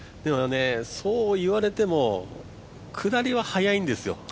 そう言われても下りは速いんですよ。